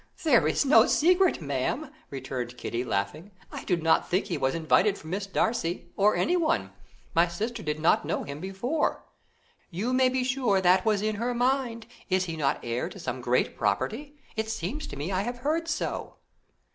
"There is no secret, ma'am," returned Kitty, laughing, "I do not think he was invited for Miss Darcy, or anyone; my sister did not know him before." "You may be sure that was in her mind. Is he not heir to some great property? It seems to me I have heard so."